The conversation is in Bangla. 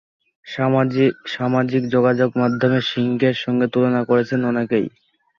সামাজিক যোগাযোগ মাধ্যমে সিংহের সঙ্গে তুলনা করছেন অনেকেই।